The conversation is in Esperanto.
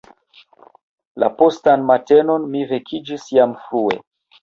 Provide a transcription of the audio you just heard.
La postan matenon mi vekiĝis jam frue.